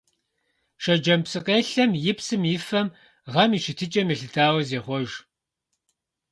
Шэджэм псыкъелъэм и псым и фэм гъэм и щытыкӀэм елъытауэ зехъуэж.